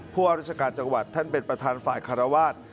ว่าราชการจังหวัดท่านเป็นประธานฝ่ายคารวาส